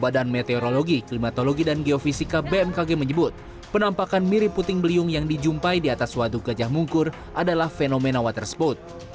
badan meteorologi klimatologi dan geofisika bmkg menyebut penampakan mirip puting beliung yang dijumpai di atas waduk gajah mungkur adalah fenomena water spot